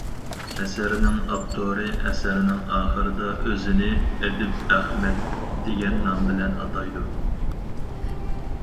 ئەسەرنىڭ ئاپتورى ئەسەرنىڭ ئاخىرىدا ئۆزىنى« ئەدىب ئەخمەت» دېگەن نام بىلەن ئاتايدۇ.